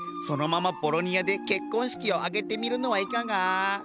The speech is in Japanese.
そのままボロニアで結婚式を挙げてみるのはいかが？